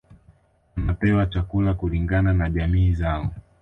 Wanapewa chakula kulingana na jamii zao